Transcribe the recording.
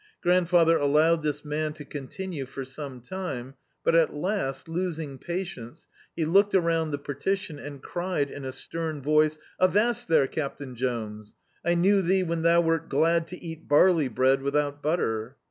Grandfather al lowed this man to continue for some time, but at last, losing patience, he looked around the partition and cried in a stem voice, "Avast there. Captain Jones: I knew thee when thou wert glad to eat barley bread without butter."